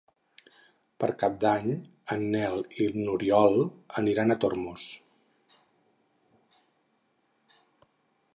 Per Cap d'Any en Nel i n'Oriol aniran a Tormos.